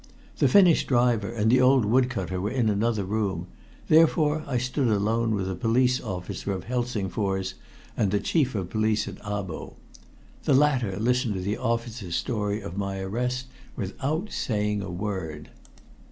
The Finnish driver and the old wood cutter were in another room, therefore I stood alone with the police officer of Helsingfors and the Chief of Police at Abo. The latter listened to the officer's story of my arrest without saying a word.